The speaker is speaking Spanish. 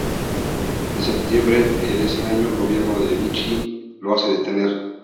En septiembre de ese año, el gobierno de Vichy lo hace detener.